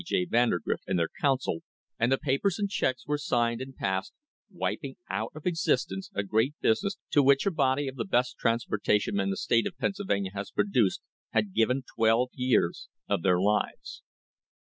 J. Vander grift, and their counsel, and the papers and checks were were signed and passed, wiping out of existence a great busi ness to which a body of the best transportation men the state of Pennsylvania has produced had given twelve years of their lives.